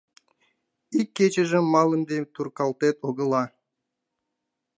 — Ик кечыжым малыде туркалтет огыла.